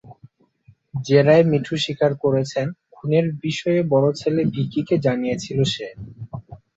জেরায় মিঠু স্বীকার করেছেন, খুনের বিষয়ে বড় ছেলে ভিকিকে জানিয়েছিল সে।